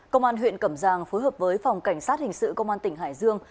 công an huyện cẩm giang phối hợp với phòng cảnh sát hình sự công an tỉnh hải dương